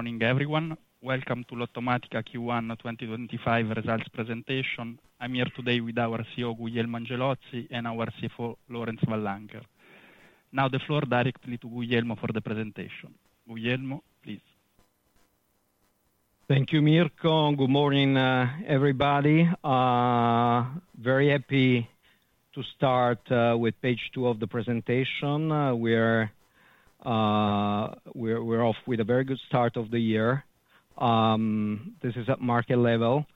Morning, everyone. Welcome to Lottomatica Q1 2025 results presentation. I'm here today with our CEO, Guglielmo Angelozzi, and our CFO, Laurence Van Lancker. Now the floor directly to Guglielmo for the presentation. Guglielmo, please. Thank you, Mirko. Good morning, everybody. Very happy to start with page two of the presentation. We are off with a very good start of the year. This is at market level.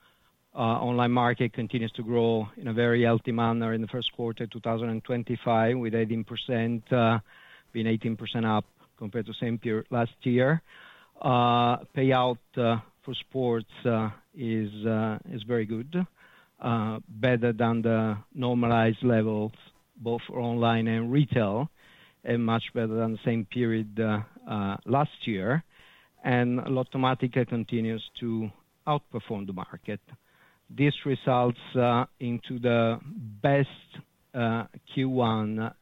Online market continues to grow in a very healthy manner in the first quarter of 2025, with 18% being 18% up compared to the same period last year. Payout for sports is very good, better than the normalized levels, both online and retail, and much better than the same period last year. Lottomatica continues to outperform the market. This results into the best Q1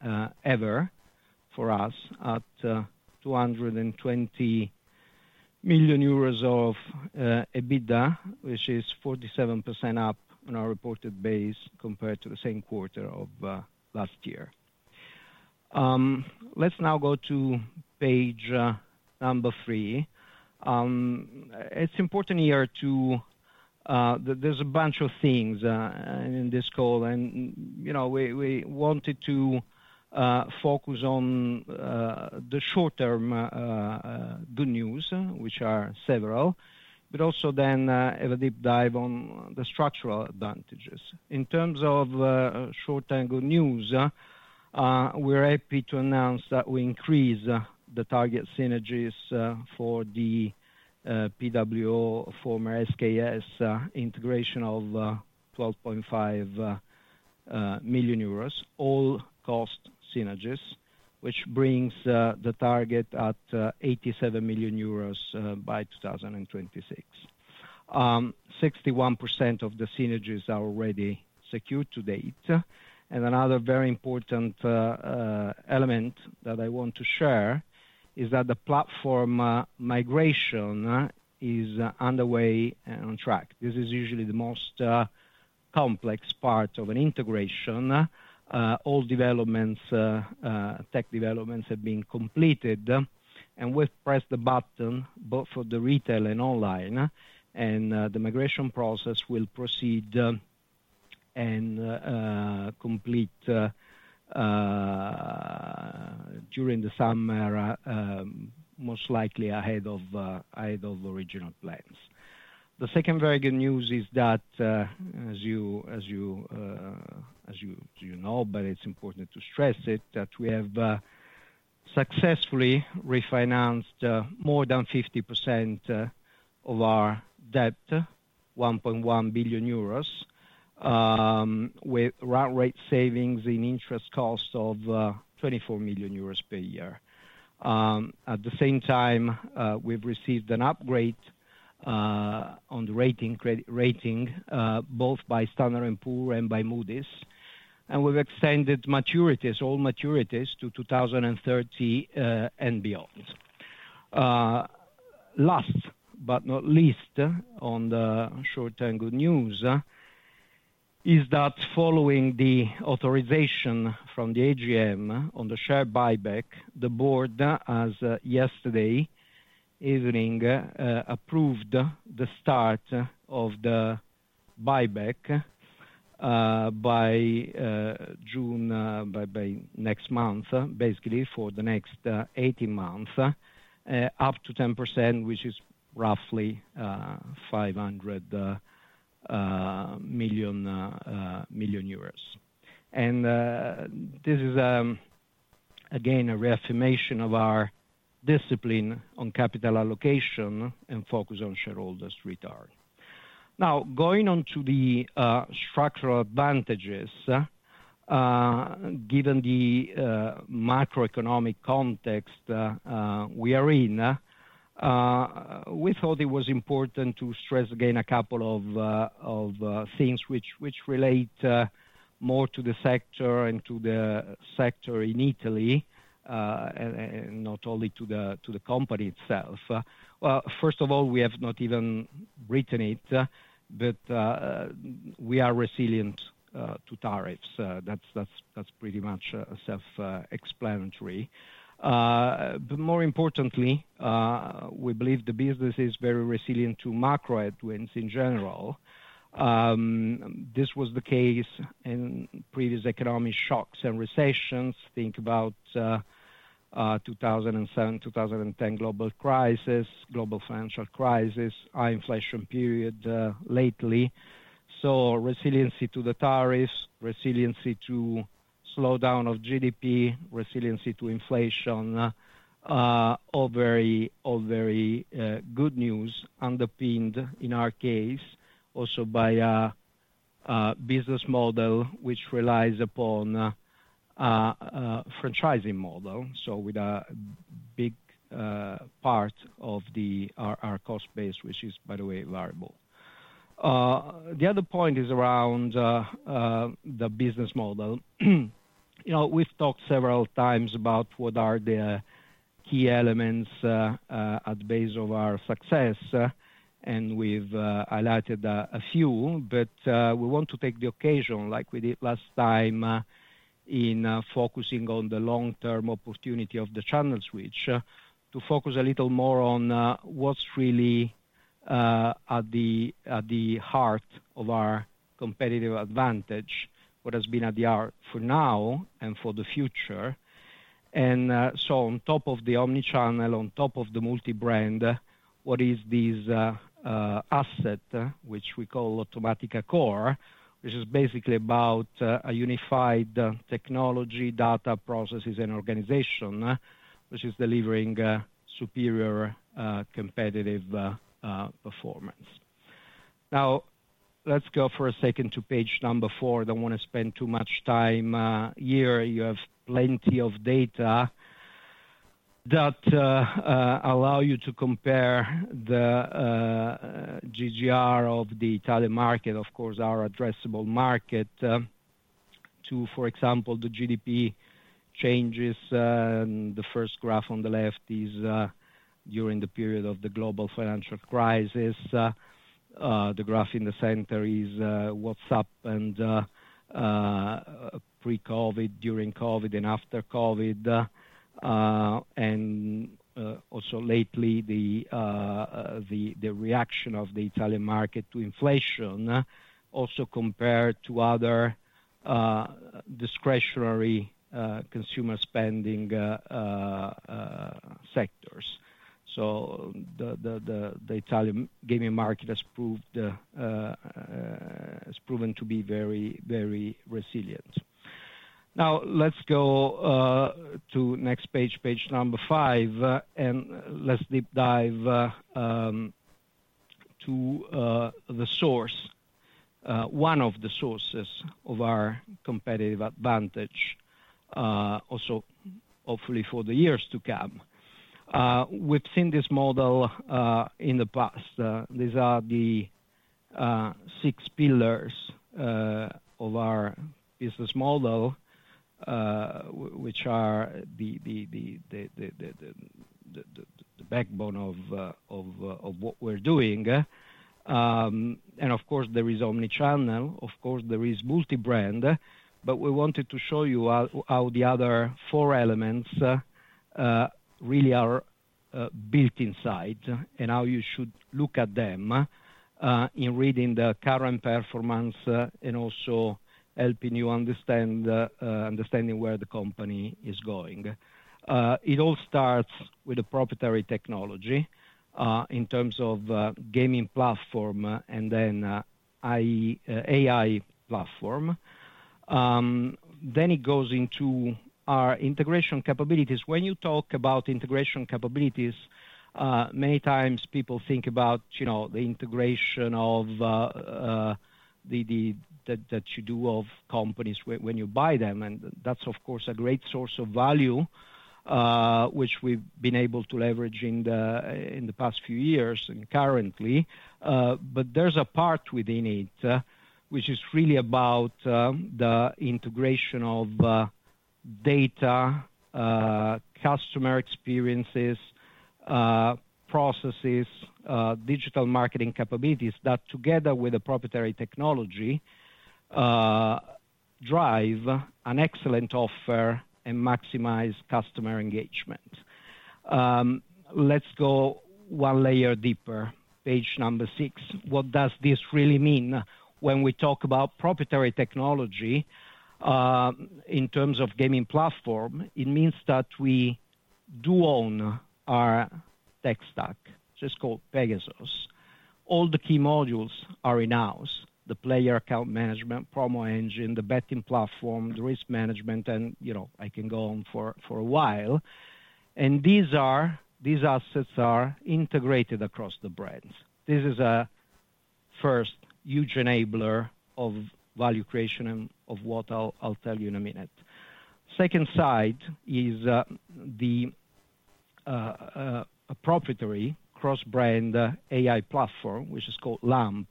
ever for us at 220 million euros of EBITDA, which is 47% up on our reported base compared to the same quarter of last year. Let's now go to page number three. It is important here to—there's a bunch of things in this call. We wanted to focus on the short-term good news, which are several, but also then have a deep dive on the structural advantages. In terms of short-term good news, we're happy to announce that we increase the target synergies for the PWO former SKS integration of 12.5 million euros, all cost synergies, which brings the target at 87 million euros by 2026. 61% of the synergies are already secured to date. Another very important element that I want to share is that the platform migration is underway and on track. This is usually the most complex part of an integration. All developments, tech developments have been completed. We've pressed the button both for the retail and online. The migration process will proceed and complete during the summer, most likely ahead of the original plans. The second very good news is that, as you know, but it's important to stress it, that we have successfully refinanced more than 50% of our debt, 1.1 billion euros, with rate savings in interest cost of 24 million euros per year. At the same time, we've received an upgrade on the rating, both by Standard Poor and by Moody's. We have extended maturities, all maturities, to 2030 and beyond. Last but not least on the short-term good news is that following the authorization from the AGM on the share buyback, the board has yesterday evening approved the start of the buyback by next month, basically for the next 18 months, up to 10%, which is roughly 500 million. This is, again, a reaffirmation of our discipline on capital allocation and focus on shareholders' return. Now, going on to the structural advantages, given the macroeconomic context we are in, we thought it was important to stress again a couple of things which relate more to the sector and to the sector in Italy, and not only to the company itself. First of all, we have not even written it, but we are resilient to tariffs. That is pretty much self-explanatory. More importantly, we believe the business is very resilient to macro headwinds in general. This was the case in previous economic shocks and recessions. Think about 2007, 2010 global crisis, global financial crisis, high inflation period lately. Resiliency to the tariffs, resiliency to slowdown of GDP, resiliency to inflation are very good news, underpinned in our case also by a business model which relies upon a franchising model, so with a big part of our cost base, which is, by the way, variable. The other point is around the business model. We've talked several times about what are the key elements at the base of our success, and we've highlighted a few, but we want to take the occasion, like we did last time, in focusing on the long-term opportunity of the channel switch to focus a little more on what's really at the heart of our competitive advantage, what has been at the heart for now and for the future. On top of the omnichannel, on top of the multi-brand, what is this asset which we call Lottomatica core, which is basically about a unified technology, data processes, and organization, which is delivering superior competitive performance. Now, let's go for a second to page number four. I don't want to spend too much time here. You have plenty of data that allow you to compare the GGR of the Italian market, of course, our addressable market, to, for example, the GDP changes. The first graph on the left is during the period of the global financial crisis. The graph in the center is what's happened pre-COVID, during COVID, and after COVID. Also lately, the reaction of the Italian market to inflation also compared to other discretionary consumer spending sectors. The Italian gaming market has proven to be very resilient. Now, let's go to next page, page number five, and let's deep dive to the source, one of the sources of our competitive advantage, also hopefully for the years to come. We've seen this model in the past. These are the six pillars of our business model, which are the backbone of what we're doing. Of course, there is omnichannel. Of course, there is multi-brand. We wanted to show you how the other four elements really are built inside and how you should look at them in reading the current performance and also helping you understand where the company is going. It all starts with the proprietary technology in terms of gaming platform and then AI platform. It goes into our integration capabilities. When you talk about integration capabilities, many times people think about the integration that you do of companies when you buy them. That is, of course, a great source of value, which we've been able to leverage in the past few years and currently. There is a part within it which is really about the integration of data, customer experiences, processes, digital marketing capabilities that together with the proprietary technology drive an excellent offer and maximize customer engagement. Let's go one layer deeper, page number six. What does this really mean when we talk about proprietary technology in terms of gaming platform? It means that we do own our tech stack, which is called Pegasus. All the key modules are in-house, the player account management, promo engine, the betting platform, the risk management, and I can go on for a while. These assets are integrated across the brands. This is a first huge enabler of value creation and of what I'll tell you in a minute. The second side is the proprietary cross-brand AI platform, which is called LAMP,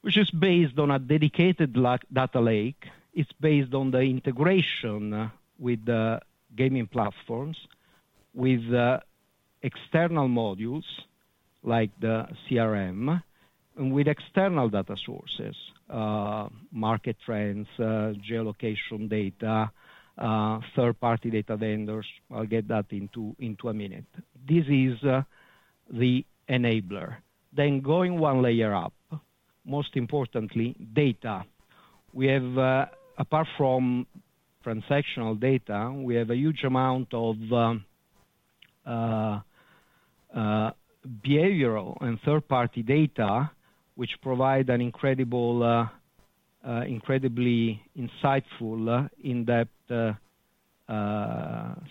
which is based on a dedicated data lake. It's based on the integration with gaming platforms, with external modules like the CRM, and with external data sources, market trends, geolocation data, third-party data vendors. I'll get that into a minute. This is the enabler. Going one layer up, most importantly, data. Apart from transactional data, we have a huge amount of behavioral and third-party data which provide an incredibly insightful, in-depth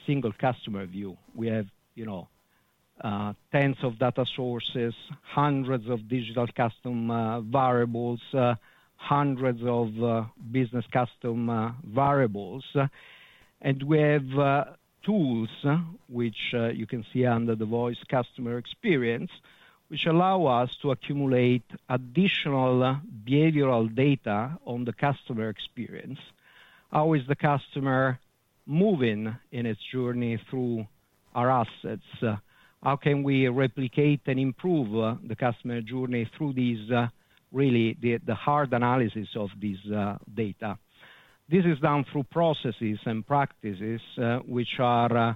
single customer view. We have tens of data sources, hundreds of digital custom variables, hundreds of business custom variables. We have tools which you can see under the voice customer experience, which allow us to accumulate additional behavioral data on the customer experience. How is the customer moving in its journey through our assets? How can we replicate and improve the customer journey through really the hard analysis of this data? This is done through processes and practices which are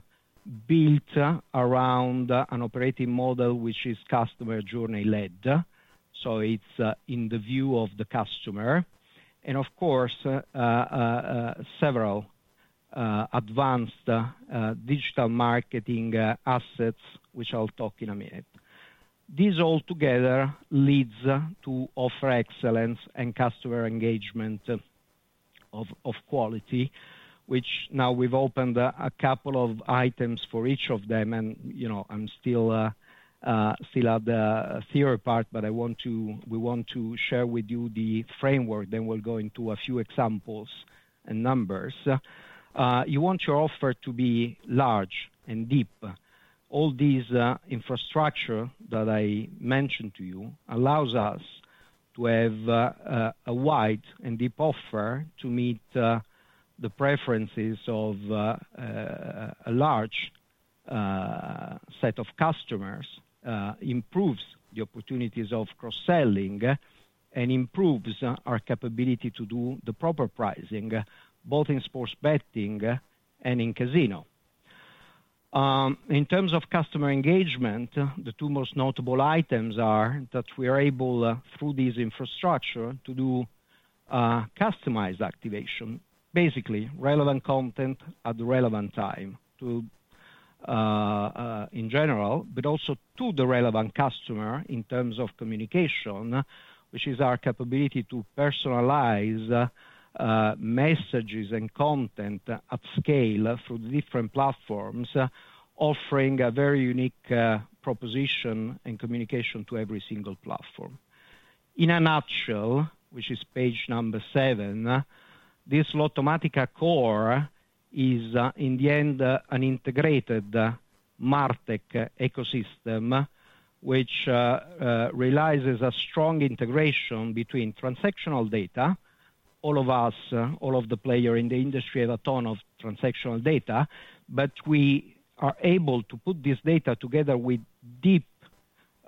built around an operating model which is customer journey-led. It is in the view of the customer. Of course, several advanced digital marketing assets, which I'll talk in a minute. These all together lead to offer excellence and customer engagement of quality, which now we have opened a couple of items for each of them. I still have the theory part, but we want to share with you the framework. We will go into a few examples and numbers. You want your offer to be large and deep. All this infrastructure that I mentioned to you allows us to have a wide and deep offer to meet the preferences of a large set of customers, improves the opportunities of cross-selling, and improves our capability to do the proper pricing, both in sports betting and in casino. In terms of customer engagement, the two most notable items are that we are able, through this infrastructure, to do customized activation, basically relevant content at the relevant time in general, but also to the relevant customer in terms of communication, which is our capability to personalize messages and content at scale through the different platforms, offering a very unique proposition and communication to every single platform. In a nutshell, which is page number seven, this Lottomatica core is, in the end, an integrated MarTech ecosystem which realizes a strong integration between transactional data. All of us, all of the players in the industry have a ton of transactional data, but we are able to put this data together with deep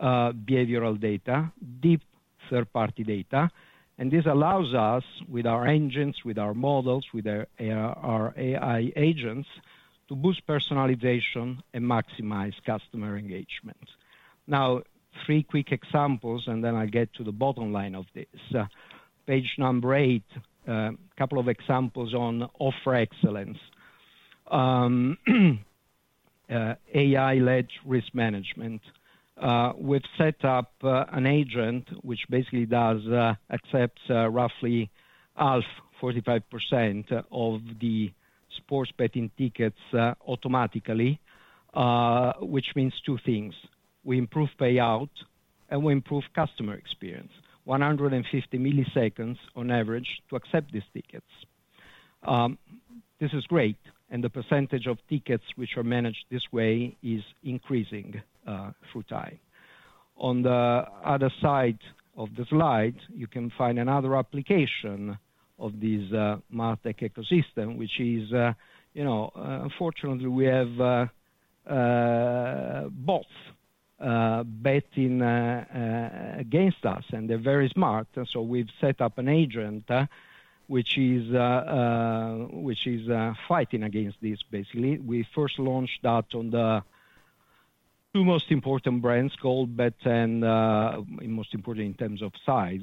behavioral data, deep third-party data. This allows us, with our engines, with our models, with our AI agents, to boost personalization and maximize customer engagement. Now, three quick examples, and then I'll get to the bottom line of this. Page number eight, a couple of examples on offer excellence. AI-led risk management. We've set up an agent which basically accepts roughly half, 45%, of the sports betting tickets automatically, which means two things. We improve payout, and we improve customer experience, 150 ms on average to accept these tickets. This is great. The percentage of tickets which are managed this way is increasing through time. On the other side of the slide, you can find another application of this MarTech ecosystem, which is, unfortunately, we have both betting against us, and they're very smart. We have set up an agent which is fighting against this, basically. We first launched that on the two most important brands, Goldbet and most important in terms of size,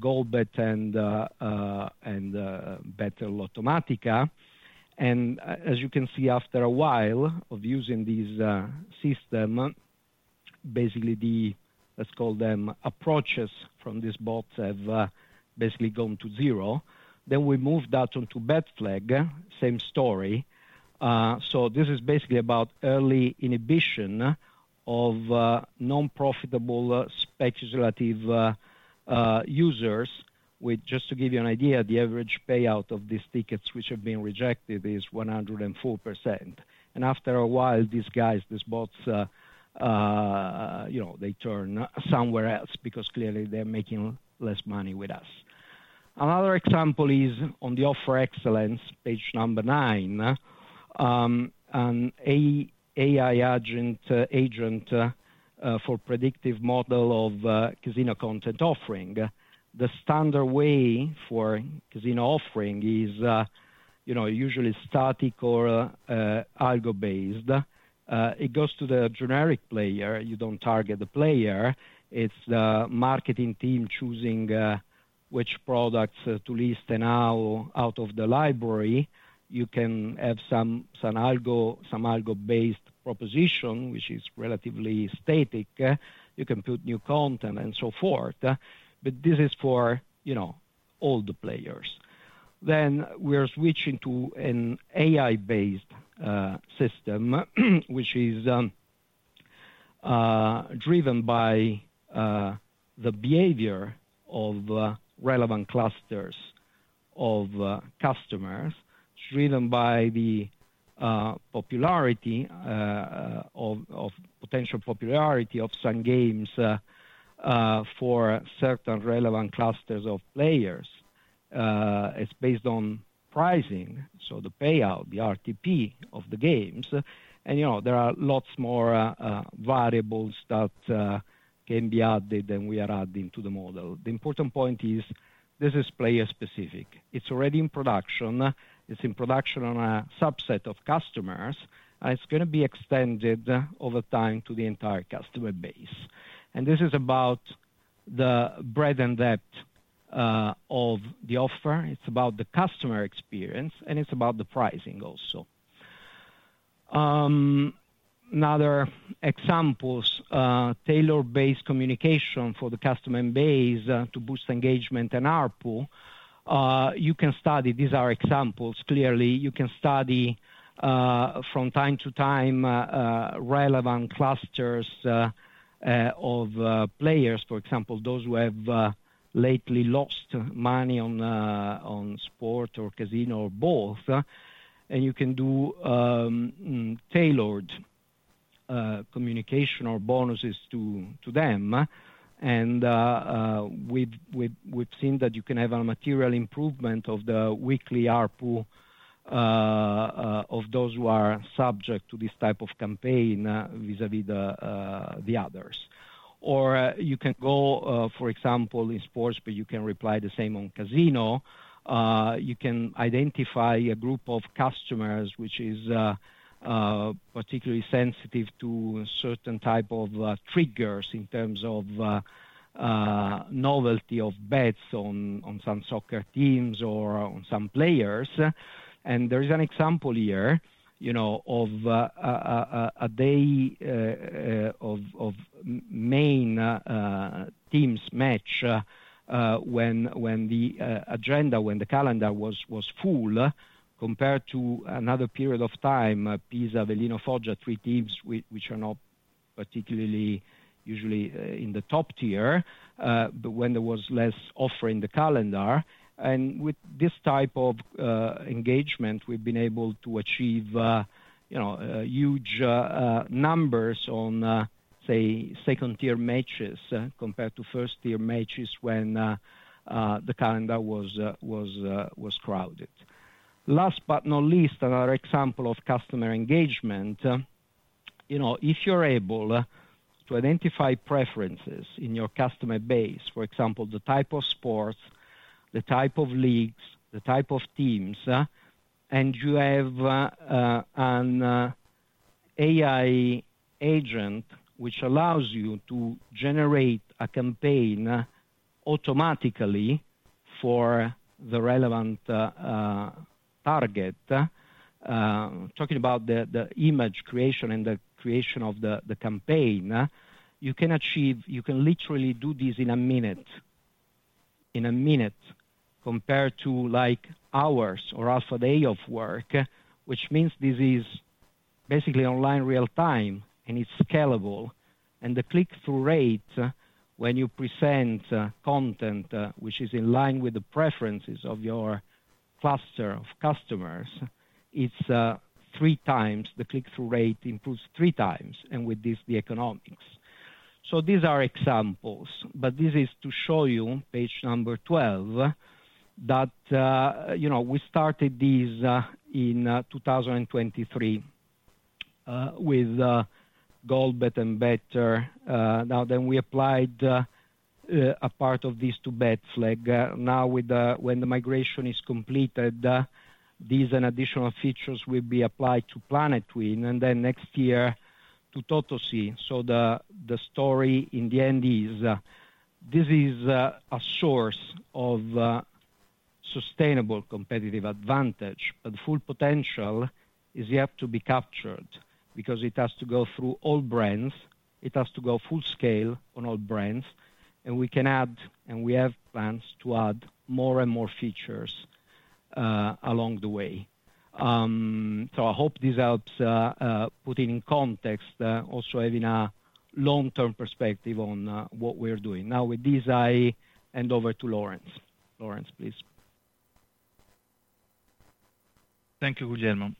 Goldbet and Better Lottomatica. As you can see, after a while of using this system, basically, let's call them approaches from this bot have basically gone to zero. We moved that onto Betflag, same story. This is basically about early inhibition of non-profitable speculative users, which, just to give you an idea, the average payout of these tickets which have been rejected is 104%. After a while, these guys, these bots, they turn somewhere else because clearly they're making less money with us. Another example is on the offer excellence, page number nine, an AI agent for predictive model of casino content offering. The standard way for casino offering is usually static or algo-based. It goes to the generic player. You don't target the player. It's the marketing team choosing which products to list and how out of the library. You can have some algo-based proposition, which is relatively static. You can put new content and so forth. This is for all the players. We are switching to an AI-based system, which is driven by the behavior of relevant clusters of customers, driven by the potential popularity of some games for certain relevant clusters of players. It is based on pricing, so the payout, the RTP of the games. There are lots more variables that can be added than we are adding to the model. The important point is this is player-specific. It is already in production. It is in production on a subset of customers. It is going to be extended over time to the entire customer base. This is about the breadth and depth of the offer. It is about the customer experience, and it is about the pricing also. Another example, tailor-based communication for the customer base to boost engagement and RPU, you can study. These are examples. Clearly, you can study from time to time relevant clusters of players, for example, those who have lately lost money on sport or casino or both. You can do tailored communication or bonuses to them. We have seen that you can have a material improvement of the weekly RPU of those who are subject to this type of campaign vis-à-vis the others. You can go, for example, in sports, but you can reply the same on casino. You can identify a group of customers which is particularly sensitive to certain types of triggers in terms of novelty of bets on some soccer teams or on some players. There is an example here of a day of main teams match when the agenda, when the calendar was full compared to another period of time, Pisa, Benevento, Foggia, three teams which are not particularly usually in the top tier, but when there was less offer in the calendar. With this type of engagement, we have been able to achieve huge numbers on, say, second-tier matches compared to first-tier matches when the calendar was crowded. Last but not least, another example of customer engagement. If you're able to identify preferences in your customer base, for example, the type of sports, the type of leagues, the type of teams, and you have an AI agent which allows you to generate a campaign automatically for the relevant target, talking about the image creation and the creation of the campaign, you can literally do this in a minute, in a minute, compared to hours or half a day of work, which means this is basically online real-time, and it's scalable. The click-through rate when you present content which is in line with the preferences of your cluster of customers, it's three times. The click-through rate improves three times, and with this, the economics. These are examples, but this is to show you, page number 12, that we started this in 2023 with Goldbet and Better. Now, then we applied a part of this to Betflag. Now, when the migration is completed, these additional features will be applied to Planet Twin and then next year to Totosi. The story in the end is this is a source of sustainable competitive advantage, but full potential is yet to be captured because it has to go through all brands. It has to go full scale on all brands, and we can add, and we have plans to add more and more features along the way. I hope this helps put in context also having a long-term perspective on what we are doing. Now, with this, I hand over to Laurence. Laurence, please. Thank you, Guglielmo.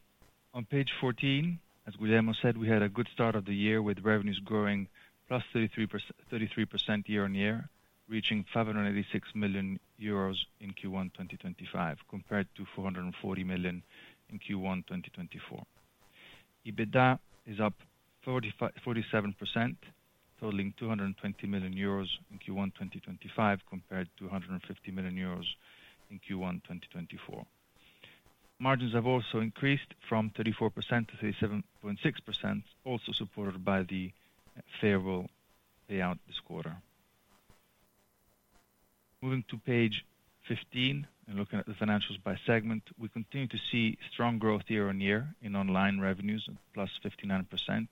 On page 14, as Guglielmo said, we had a good start of the year with revenues growing plus 33% year on year, reaching 586 million euros in Q1 2025 compared to 440 million in Q1 2024. EBITDA is up 47%, totaling 220 million euros in Q1 2025 compared to 150 million euros in Q1 2024. Margins have also increased from 34% to 37.6%, also supported by the favorable payout this quarter. Moving to page 15 and looking at the financials by segment, we continue to see strong growth year on year in online revenues, +59%,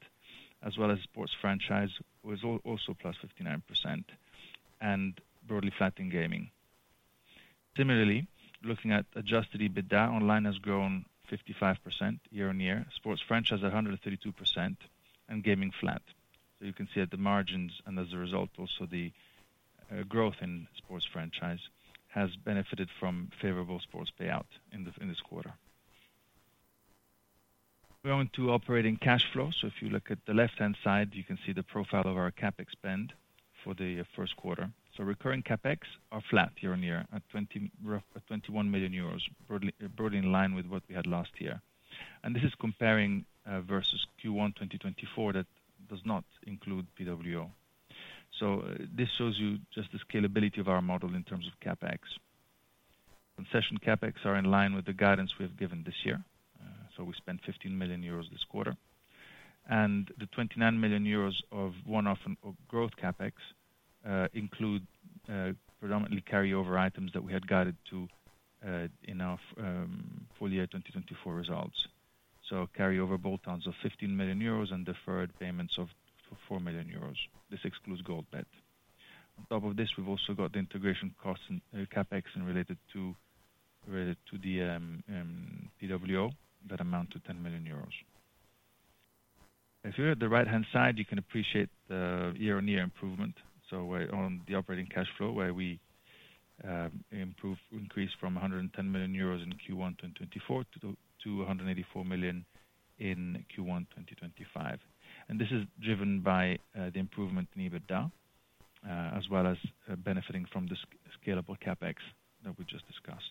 as well as sports franchise, who is also +59%, and broadly flat in gaming. Similarly, looking at adjusted EBITDA, online has grown 55% year-on-year, sports franchise at 132%, and gaming flat. You can see at the margins, and as a result, also the growth in sports franchise has benefited from favorable sports payout in this quarter. Going to operating cash flow. If you look at the left-hand side, you can see the profile of our CapEx spend for the first quarter. Recurring CapEx are flat year on year at 21 million euros, broadly in line with what we had last year. This is comparing versus Q1 2024 that does not include PWO. This shows you just the scalability of our model in terms of CapEx. Concession CapEx are in line with the guidance we have given this year. We spent 15 million euros this quarter. The 29 million euros of one-off growth CapEx are predominantly carryover items that we had guided to in our full year 2024 results. Carryover bolt-ons of 15 million euros and deferred payments of 4 million euros. This excludes Goldbet. On top of this, we have also got the integration costs and CapEx related to the PWO that amount to 10 million euros. If you look at the right-hand side, you can appreciate the year-on-year improvement. On the operating cash flow, we increased from 110 million euros in Q1 2024 to 184 million in Q1 2025. This is driven by the improvement in EBITDA, as well as benefiting from the scalable CapEx that we just discussed.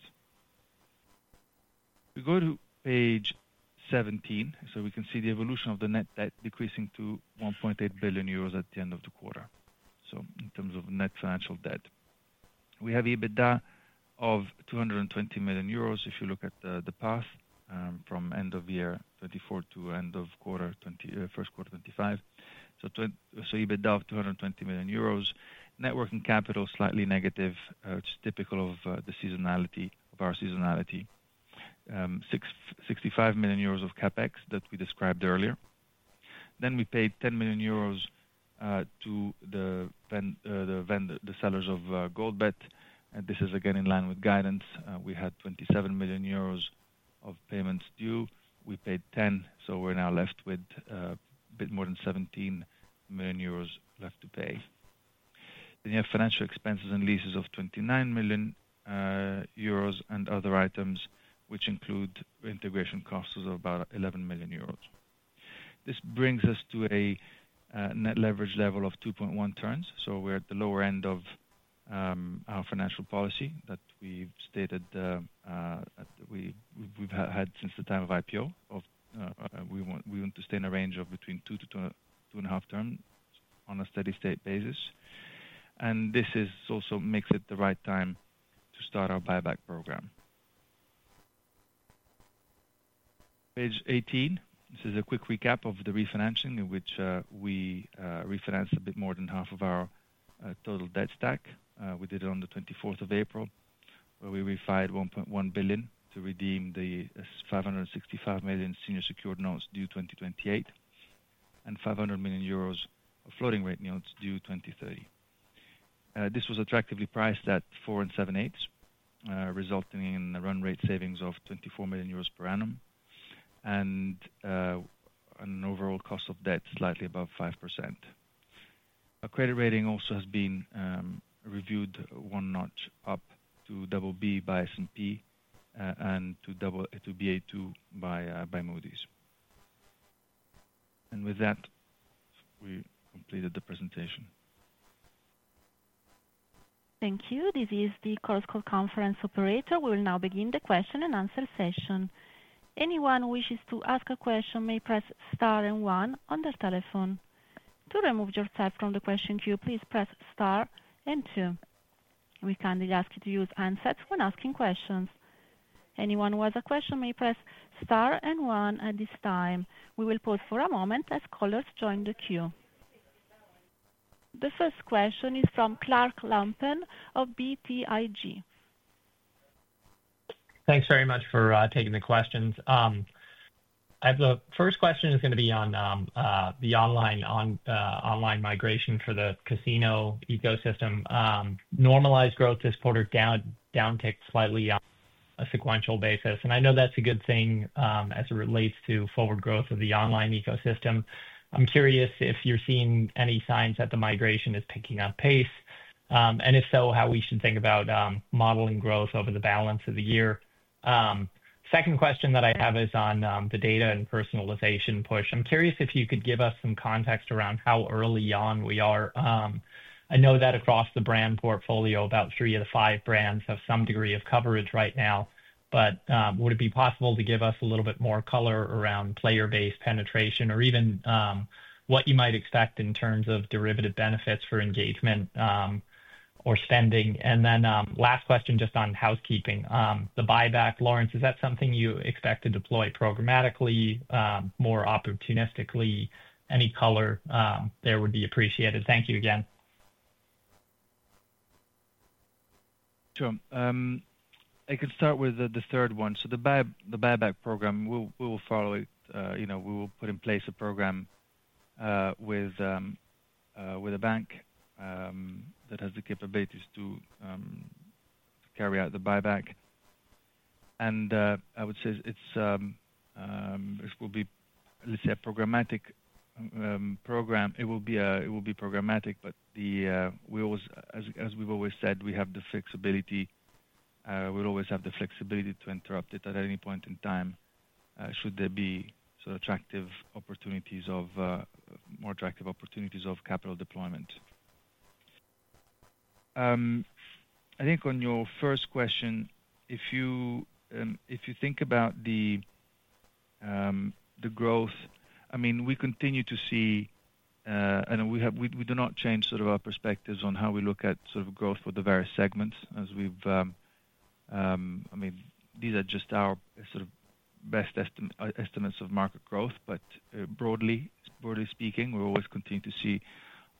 We go to page 17. We can see the evolution of the net debt decreasing to 1.8 billion euros at the end of the quarter, in terms of net financial debt. We have EBITDA of 220 million euros. If you look at the path from end of year 2024 to end of quarter, first quarter 2025, EBITDA of 220 million euros. Net working capital slightly negative, which is typical of our seasonality. 65 million euros of CapEx that we described earlier. We paid 10 million euros to the sellers of Goldbet. This is again in line with guidance. We had 27 million euros of payments due. We paid 10 million, so we are now left with a bit more than 17 million euros left to pay. You have financial expenses and leases of 29 million euros and other items, which include integration costs of about 11 million euros. This brings us to a net leverage level of 2.1 turns. We are at the lower end of our financial policy that we have stated that we have had since the time of IPO. We want to stay in a range of between 2-2.5 turns on a steady-state basis. This also makes it the right time to start our buyback program. Page 18. This is a quick recap of the refinancing in which we refinanced a bit more than half of our total debt stack. We did it on the 24th of April, where we refied 1.1 billion to redeem the 565 million senior secured notes due 2028 and 500 million euros of floating rate notes due 2030. This was attractively priced at 4.78%, resulting in a run rate savings of 24 million euros per annum and an overall cost of debt slightly above 5%. Our credit rating also has been reviewed one notch up to BB by S&P and to Ba2 by Moody's. With that, we completed the presentation. Thank you. This is the CorusCo conference operator. We will now begin the question and answer session. Anyone who wishes to ask a question may press Star and One on their telephone. To remove yourself from the question queue, please press Star and Two. We kindly ask you to use handsets when asking questions. Anyone who has a question may press Star and One at this time. We will pause for a moment as callers join the queue. The first question is from Clark Lampen of BTIG. Thanks very much for taking the questions. The first question is going to be on the online migration for the casino ecosystem. Normalized growth this quarter downticked slightly on a sequential basis. I know that's a good thing as it relates to forward growth of the online ecosystem. I'm curious if you're seeing any signs that the migration is picking up pace. If so, how we should think about modeling growth over the balance of the year. Second question that I have is on the data and personalization push. I'm curious if you could give us some context around how early on we are. I know that across the brand portfolio, about three of the five brands have some degree of coverage right now. Would it be possible to give us a little bit more color around player-based penetration or even what you might expect in terms of derivative benefits for engagement or spending? The last question just on housekeeping, the buyback. Laurence, is that something you expect to deploy programmatically, more opportunistically? Any color there would be appreciated. Thank you again. Sure. I could start with the third one. The buyback program, we will follow it. We will put in place a program with a bank that has the capabilities to carry out the buyback. I would say this will be, let's say, a programmatic program. It will be programmatic, but as we've always said, we have the flexibility. We'll always have the flexibility to interrupt it at any point in time should there be sort of more attractive opportunities of capital deployment. I think on your first question, if you think about the growth, I mean, we continue to see, and we do not change sort of our perspectives on how we look at sort of growth for the various segments. I mean, these are just our sort of best estimates of market growth. Broadly speaking, we're always continuing to see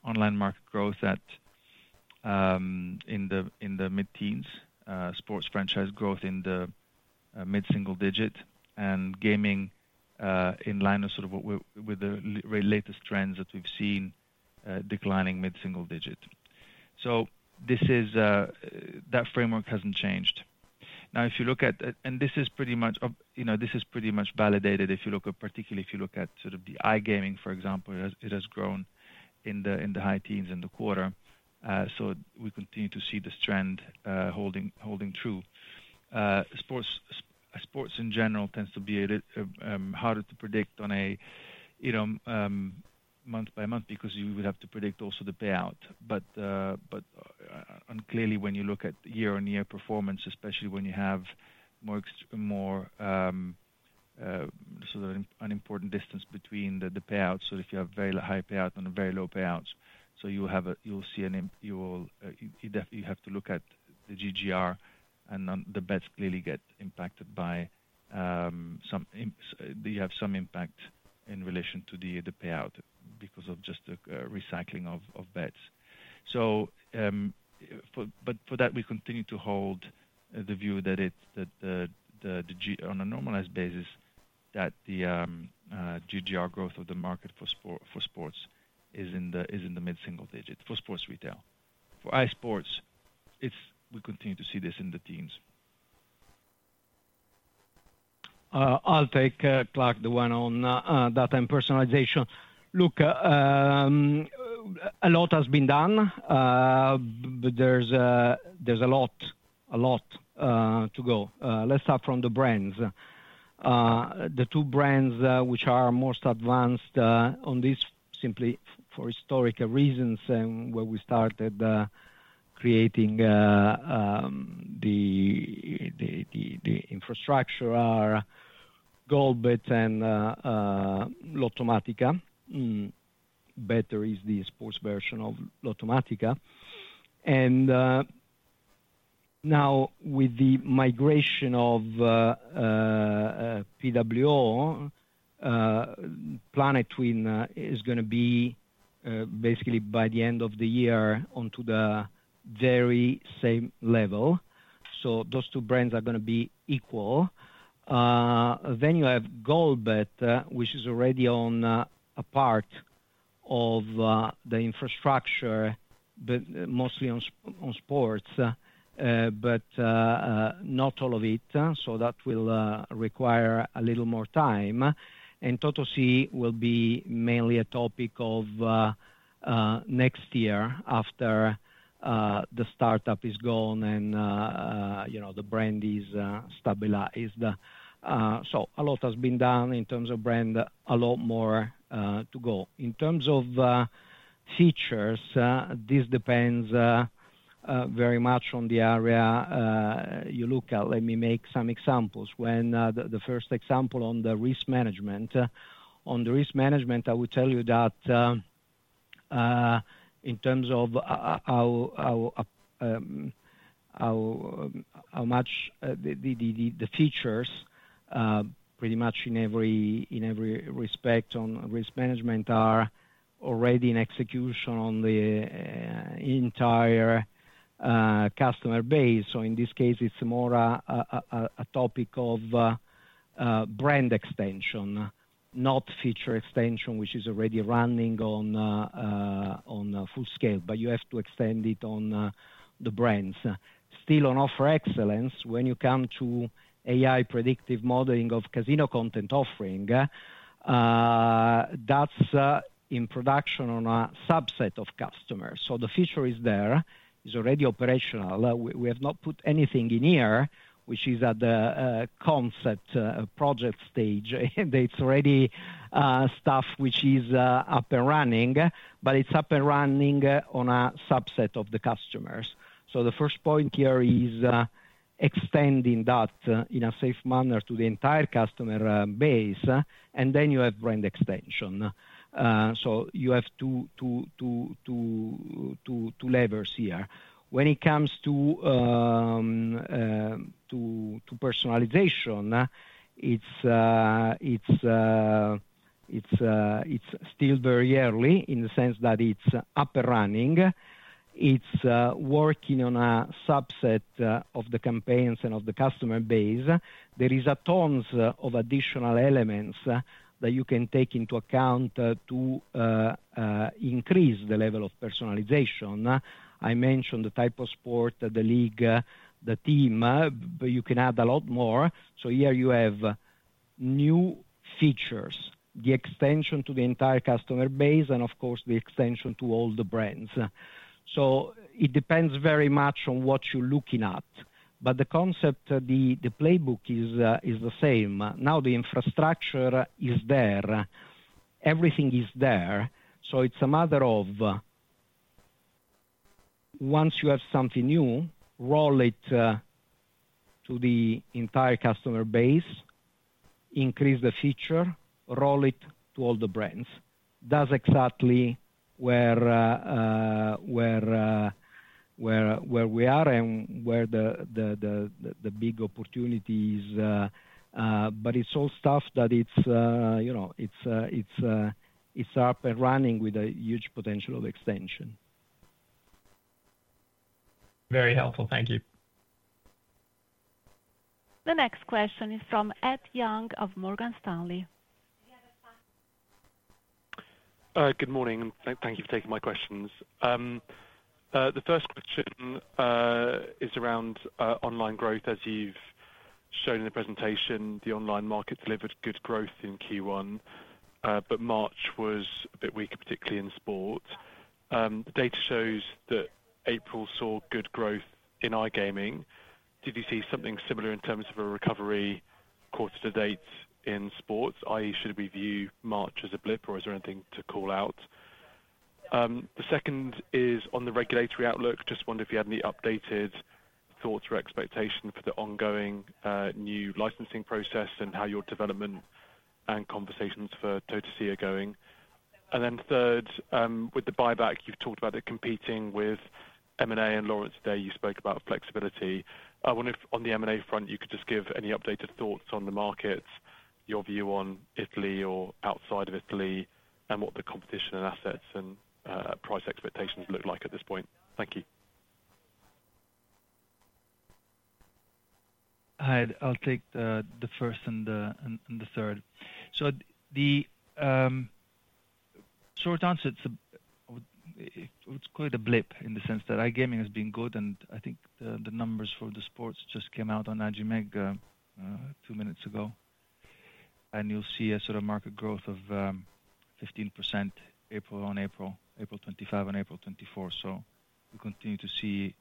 online market growth in the mid-teens, sports franchise growth in the mid-single digit, and gaming in line with the latest trends that we've seen declining mid-single digit. That framework hasn't changed. Now, if you look at, and this is pretty much validated if you look at, particularly if you look at sort of the iGaming, for example, it has grown in the high teens in the quarter. We continue to see the strand holding true. Sports in general tends to be harder to predict month by month because you would have to predict also the payout. Clearly, when you look at year-on-year performance, especially when you have more sort of an important distance between the payouts, if you have very high payouts and very low payouts, you have to look at the GGR, and the bets clearly get impacted by, you have some impact in relation to the payout because of just the recycling of bets. For that, we continue to hold the view that on a normalized basis, the GGR growth of the market for sports is in the mid-single digit for sports retail. For iSports, we continue to see this in the teens. I'll take Clark, the one on data and personalization. Look, a lot has been done, but there's a lot to go. Let's start from the brands. The two brands which are most advanced on this, simply for historical reasons, and where we started creating the infrastructure are Goldbet and Lottomatica. Better is the sports version of Lottomatica. Now, with the migration of PWO, Planet Twin is going to be basically by the end of the year onto the very same level. Those two brands are going to be equal. You have Goldbet, which is already on a part of the infrastructure, but mostly on sports, but not all of it. That will require a little more time. Totosi will be mainly a topic of next year after the startup is gone and the brand is stabilized. A lot has been done in terms of brand, a lot more to go. In terms of features, this depends very much on the area you look at. Let me make some examples. The first example on the risk management. On the risk management, I would tell you that in terms of how much the features, pretty much in every respect on risk management, are already in execution on the entire customer base. In this case, it is more a topic of brand extension, not feature extension, which is already running on full scale, but you have to extend it on the brands. Still, on offer excellence, when you come to AI predictive modeling of casino content offering, that is in production on a subset of customers. The feature is there. It is already operational. We have not put anything in here, which is at the concept project stage. It's already stuff which is up and running, but it's up and running on a subset of the customers. The first point here is extending that in a safe manner to the entire customer base. You have brand extension. You have two levers here. When it comes to personalization, it's still very early in the sense that it's up and running. It's working on a subset of the campaigns and of the customer base. There are tons of additional elements that you can take into account to increase the level of personalization. I mentioned the type of sport, the league, the team, but you can add a lot more. Here you have new features, the extension to the entire customer base, and of course, the extension to all the brands. It depends very much on what you're looking at. The concept, the playbook is the same. Now, the infrastructure is there. Everything is there. It is a matter of once you have something new, roll it to the entire customer base, increase the feature, roll it to all the brands. That is exactly where we are and where the big opportunity is. It is all stuff that is up and running with a huge potential of extension. Very helpful. Thank you. The next question is from Ed Young of Morgan Stanley. Good morning. Thank you for taking my questions. The first question is around online growth. As you've shown in the presentation, the online market delivered good growth in Q1, but March was a bit weaker, particularly in sports. The data shows that April saw good growth in iGaming. Did you see something similar in terms of a recovery quarter to date in sports? I.e., should we view March as a blip, or is there anything to call out? The second is on the regulatory outlook. Just wonder if you had any updated thoughts or expectations for the ongoing new licensing process and how your development and conversations for Totosi are going. The third, with the buyback, you've talked about it competing with M&A. Laurence, today you spoke about flexibility. I wonder if on the M&A front, you could just give any updated thoughts on the markets, your view on Italy or outside of Italy, and what the competition and assets and price expectations look like at this point. Thank you. I'll take the first and the third. The short answer, it's quite a blip in the sense that iGaming has been good. I think the numbers for the sports just came out on Ajimeg two minutes ago. You'll see a sort of market growth of 15% April on April, April 2025 and April 2024. We continue to see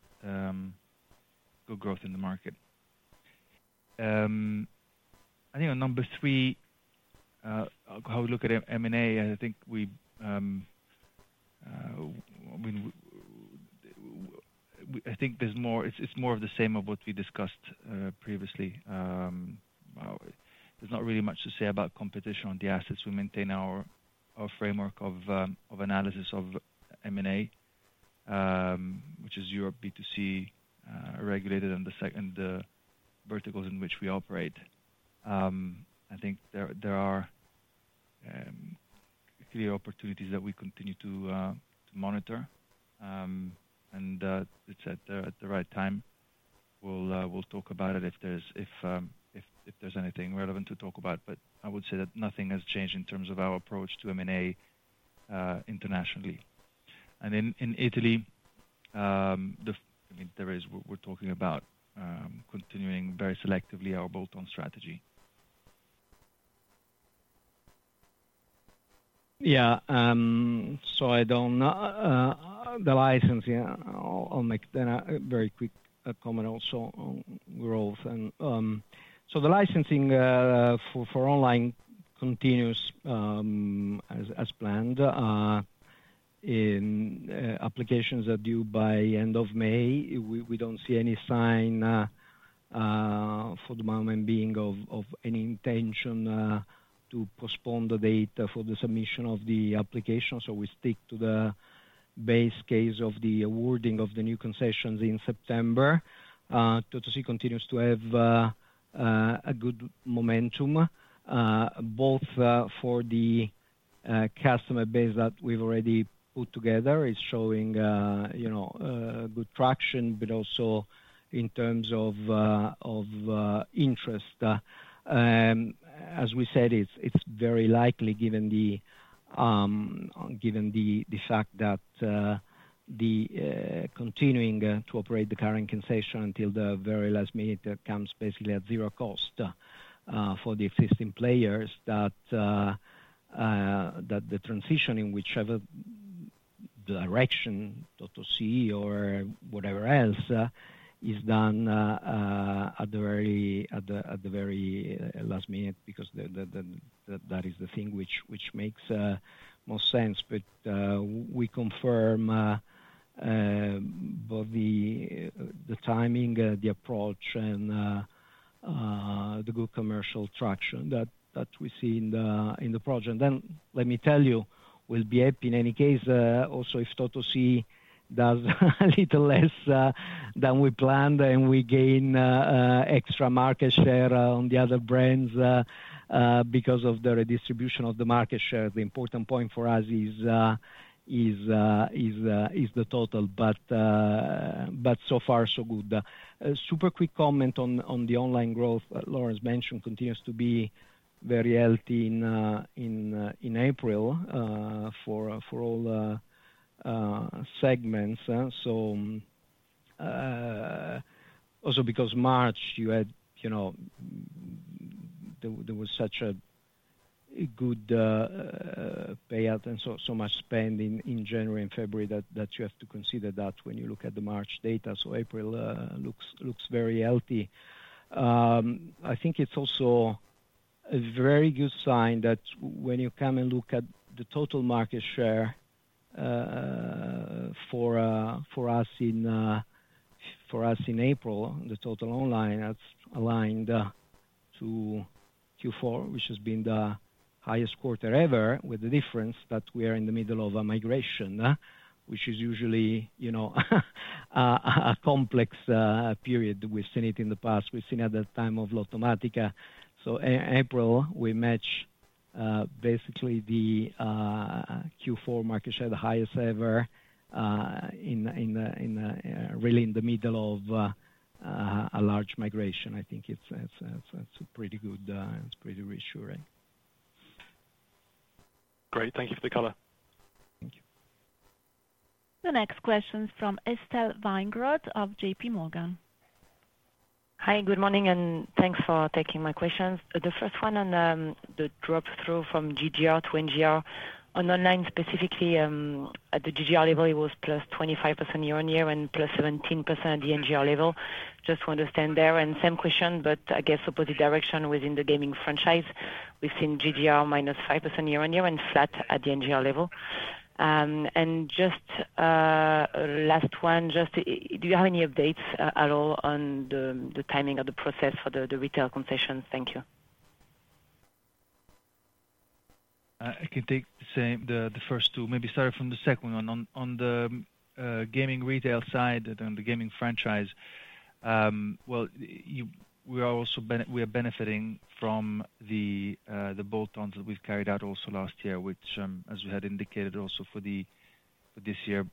good growth in the market. I think on number three, how we look at M&A, I think there's more. It's more of the same of what we discussed previously. There's not really much to say about competition on the assets. We maintain our framework of analysis of M&A, which is Europe B2C regulated and the verticals in which we operate. I think there are clear opportunities that we continue to monitor. At the right time, we'll talk about it if there's anything relevant to talk about. I would say that nothing has changed in terms of our approach to M&A internationally. In Italy, I mean, we're talking about continuing very selectively our bolt-on strategy. Yeah. I do not know the licensing. I'll make then a very quick comment also on growth. The licensing for online continues as planned in applications that are due by end of May. We do not see any sign for the moment being of any intention to postpone the date for the submission of the application. We stick to the base case of the awarding of the new concessions in September. Totosi continues to have good momentum, both for the customer base that we have already put together. It is showing good traction, but also in terms of interest. As we said, it is very likely given the fact that continuing to operate the current concession until the very last minute comes basically at zero cost for the existing players that the transition in whichever direction Totosi or whatever else is done at the very last minute because that is the thing which makes most sense. We confirm both the timing, the approach, and the good commercial traction that we see in the project. Let me tell you, we will be happy in any case also if Totosi does a little less than we planned and we gain extra market share on the other brands because of the redistribution of the market share. The important point for us is the total. So far, so good. Super quick comment on the online growth. Laurence mentioned it continues to be very healthy in April for all segments. Also because March, you had, there was such a good payout and so much spending in January and February that you have to consider that when you look at the March data. April looks very healthy. I think it's also a very good sign that when you come and look at the total market share for us in April, the total online that's aligned to Q4, which has been the highest quarter ever, with the difference that we are in the middle of a migration, which is usually a complex period. We've seen it in the past. We've seen it at the time of Lottomatica. April, we match basically the Q4 market share, the highest ever, really in the middle of a large migration. I think it's pretty good, it's pretty reassuring. Great. Thank you for the color. Thank you. The next question is from Estelle Weingrod of JPMorgan. Hi, good morning, and thanks for taking my questions. The first one on the drop-through from GGR to NGR. On online specifically, at the GGR level, it was +25% year on year and +17% at the NGR level. Just wanted to stand there. Same question, but I guess opposite direction within the gaming franchise. We've seen GGR -5% year on year and flat at the NGR level. Just last one, do you have any updates at all on the timing of the process for the retail concessions? Thank you. I can take the first two. Maybe start from the second one. On the gaming retail side and the gaming franchise, we are benefiting from the bolt-ons that we have carried out also last year, which, as we had indicated also for this year,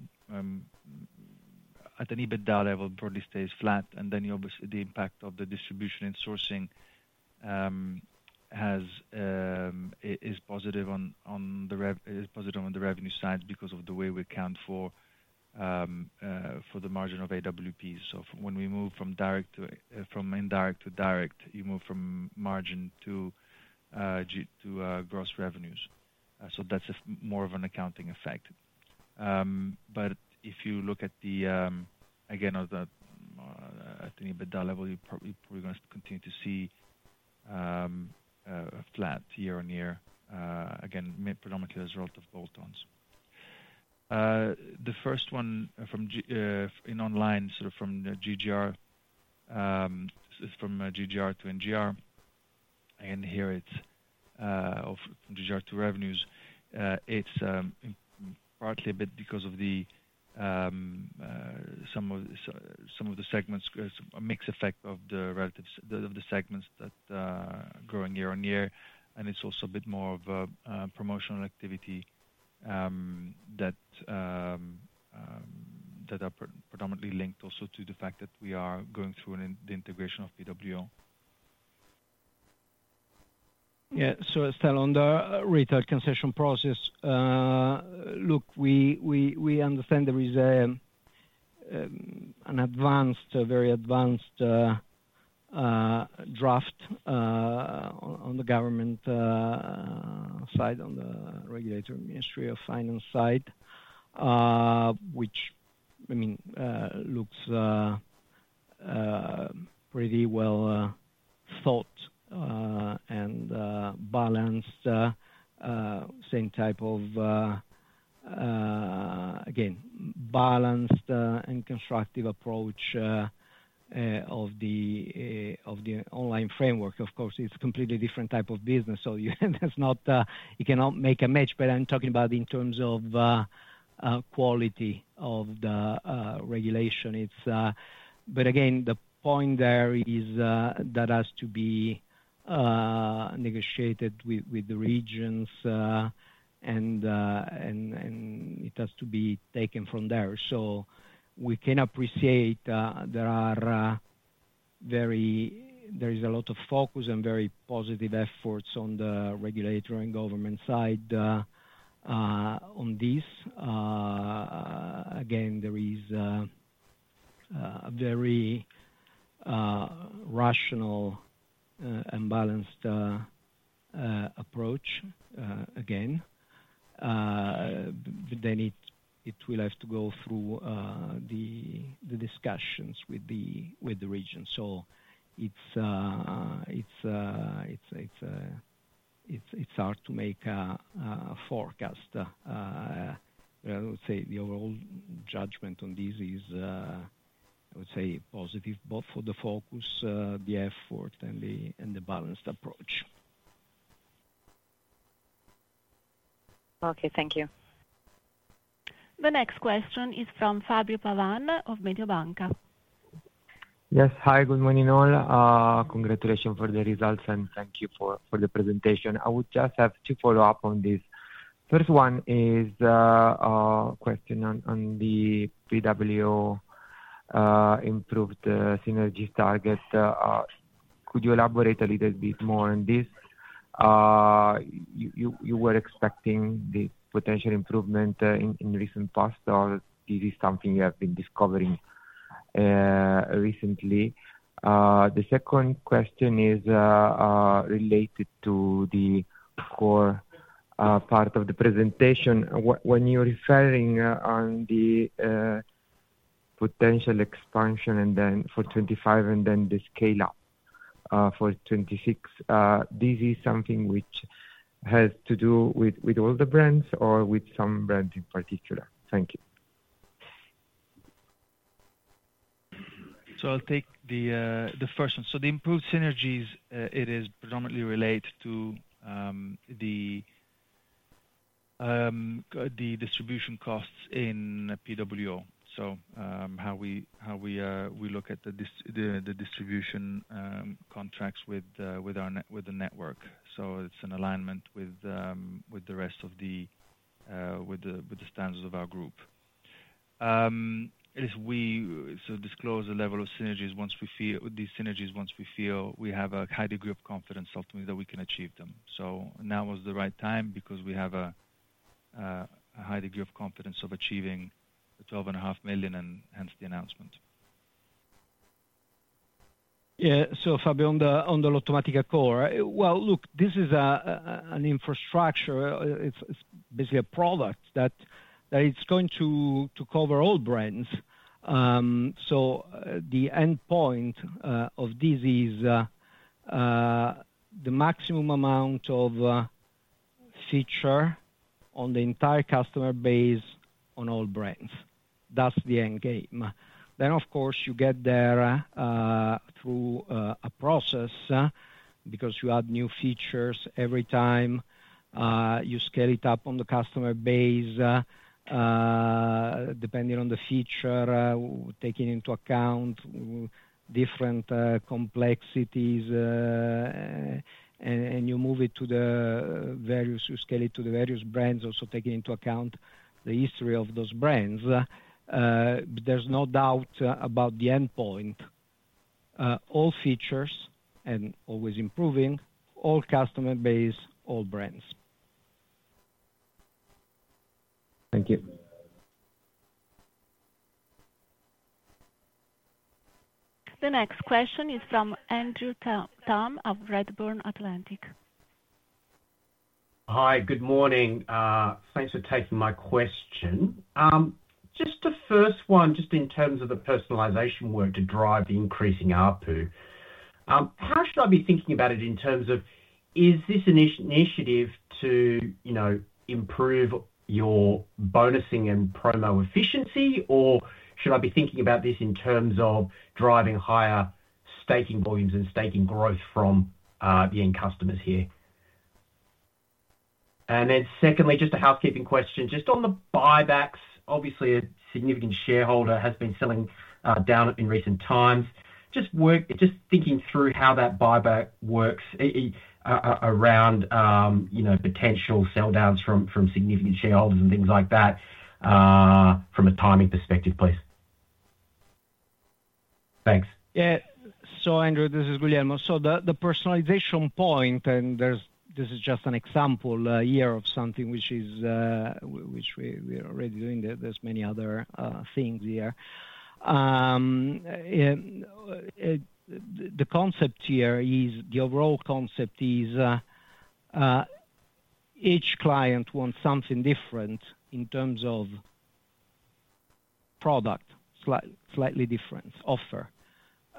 at an EBITDA level probably stays flat. The impact of the distribution and sourcing is positive on the revenue side because of the way we account for the margin of AWPs. When we move from indirect to direct, you move from margin to gross revenues. That is more of an accounting effect. If you look at the, again, at an EBITDA level, you are probably going to continue to see flat year on year, again, predominantly as a result of bolt-ons. The first one in online sort of from GGR to NGR, and here it is from GGR to revenues. It's partly a bit because of some of the segments, a mixed effect of the segments that are growing year on year. It's also a bit more of a promotional activity that are predominantly linked also to the fact that we are going through the integration of PWO. Yeah. So Estelle, on the retail concession process, look, we understand there is an advanced, very advanced draft on the government side, on the regulatory Ministry of Finance side, which, I mean, looks pretty well thought and balanced. Same type of, again, balanced and constructive approach of the online framework. Of course, it's a completely different type of business. You cannot make a match, but I'm talking about in terms of quality of the regulation. Again, the point there is that has to be negotiated with the regions, and it has to be taken from there. We can appreciate there is a lot of focus and very positive efforts on the regulatory and government side on this. Again, there is a very rational and balanced approach, again. It will have to go through the discussions with the region. It's hard to make a forecast. I would say the overall judgment on this is, I would say, positive, both for the focus, the effort, and the balanced approach. Okay. Thank you. The next question is from Fabio Pavan of Mediobanca. Yes. Hi, good morning all. Congratulations for the results, and thank you for the presentation. I would just have to follow up on this. First one is a question on the PWO improved synergies target. Could you elaborate a little bit more on this? You were expecting the potential improvement in recent past, or this is something you have been discovering recently? The second question is related to the core part of the presentation. When you're referring on the potential expansion for 2025 and then the scale-up for 2026, this is something which has to do with all the brands or with some brands in particular? Thank you. I'll take the first one. The improved synergies, it is predominantly related to the distribution costs in PWO. How we look at the distribution contracts with the network, it's an alignment with the rest of the standards of our group. We disclose the level of synergies once we feel these synergies, once we feel we have a high degree of confidence ultimately that we can achieve them. Now was the right time because we have a high degree of confidence of achieving 12.5 million, and hence the announcement. Yeah. Fabio, on the Lottomatica core. Look, this is an infrastructure. It's basically a product that is going to cover all brands. The end point of this is the maximum amount of feature on the entire customer base on all brands. That's the end game. Of course, you get there through a process because you add new features every time you scale it up on the customer base, depending on the feature, taking into account different complexities, and you move it to the various, you scale it to the various brands, also taking into account the history of those brands. There's no doubt about the end point. All features and always improving, all customer base, all brands. Thank you. The next question is from Andrew Tam of Redburn Atlantic. Hi, good morning. Thanks for taking my question. Just the first one, just in terms of the personalization work to drive increasing output, how should I be thinking about it in terms of is this an initiative to improve your bonusing and promo efficiency, or should I be thinking about this in terms of driving higher staking volumes and staking growth from the end customers here? Secondly, just a housekeeping question. Just on the buybacks, obviously, a significant shareholder has been selling down in recent times. Just thinking through how that buyback works around potential sell-downs from significant shareholders and things like that from a timing perspective, please. Thanks. Yeah. Andrew, this is Guglielmo. The personalization point, and this is just an example here of something which we are already doing. There are many other things here. The concept here is the overall concept is each client wants something different in terms of product, slightly different offer.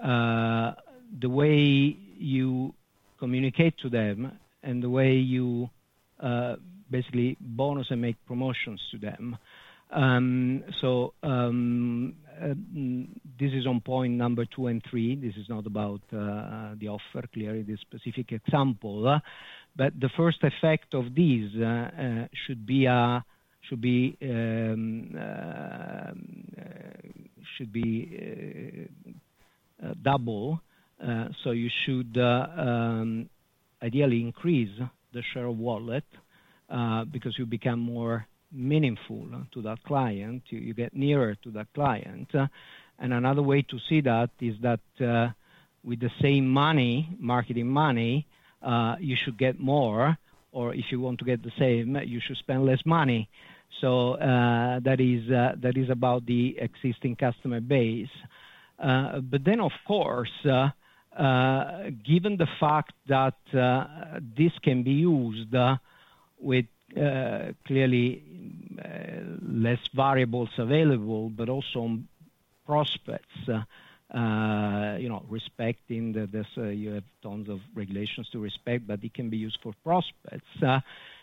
The way you communicate to them and the way you basically bonus and make promotions to them. This is on point number two and three. This is not about the offer. Clearly, this specific example. The first effect of these should be double. You should ideally increase the share of wallet because you become more meaningful to that client. You get nearer to that client. Another way to see that is that with the same marketing money, you should get more, or if you want to get the same, you should spend less money. That is about the existing customer base. Of course, given the fact that this can be used with clearly less variables available, but also prospects, respecting that you have tons of regulations to respect, it can be used for prospects.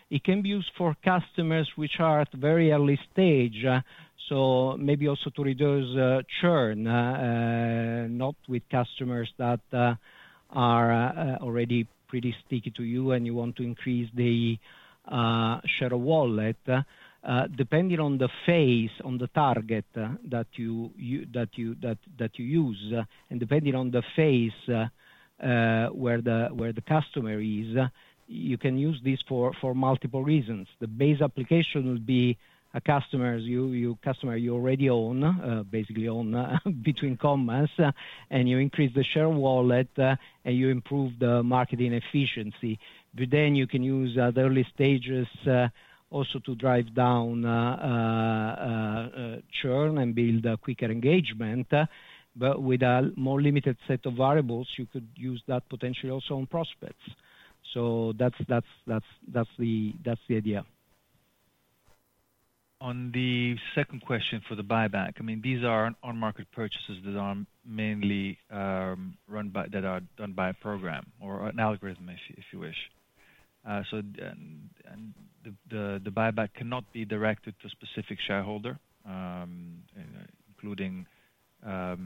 It can be used for customers which are at a very early stage, maybe also to reduce churn, not with customers that are already pretty sticky to you and you want to increase the share of wallet, depending on the phase, on the target that you use. Depending on the phase where the customer is, you can use this for multiple reasons. The base application would be a customer you already own, basically own between commerce, and you increase the share of wallet, and you improve the marketing efficiency. You can use the early stages also to drive down churn and build a quicker engagement. With a more limited set of variables, you could use that potentially also on prospects. That is the idea. On the second question for the buyback, I mean, these are on-market purchases that are mainly run by, that are done by a program or an algorithm, if you wish. The buyback cannot be directed to a specific shareholder, including the